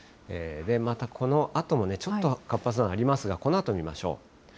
またこのあともね、ちょっと活発なのがありますが、このあと見ましょう。